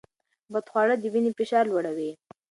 بدخواړه د وینې فشار لوړوي.